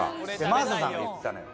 真麻さんが言ってたのよ。